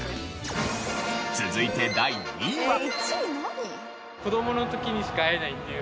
続いて第２位は。